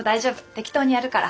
適当にやるから。